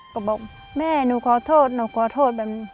ก็บอกแม่หนูขอโทษหนูขอโทษแบบนี้